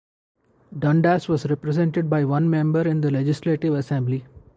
Dundas was represented by one member in the Legislative Assembly.